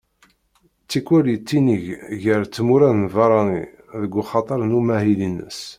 Tikkwal yettinig ɣer tmura n lbarrani deg ukatar n umahil-ines.